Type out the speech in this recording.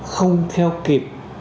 không theo kịp